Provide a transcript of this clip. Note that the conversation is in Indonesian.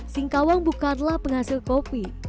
singkawang bukanlah penghasil kopi